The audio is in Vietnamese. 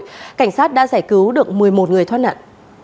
cảnh sát đã giải cứu được một mươi một người thoát nạn